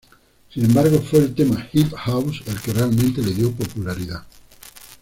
Sin embargo, fue el tema "Hip House" el que realmente le dio popularidad.